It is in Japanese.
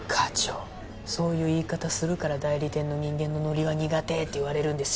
そういう言い方するから代理店の人間のノリは苦手って言われるんです